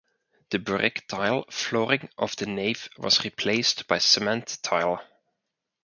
The brick tile flooring of the nave was replaced by cement tile.